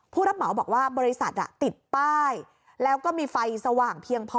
ผู้รับเหมาบอกว่าบริษัทติดป้ายแล้วก็มีไฟสว่างเพียงพอ